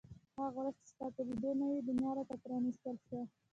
هغه ورځ چې ستا په لیدو نوې دنیا را ته پرانیستل شوه.